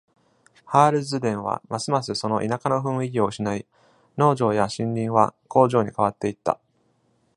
ハールズデンは、ますますその田舎の雰囲気を失い、農場や森林は工場に変わっていった。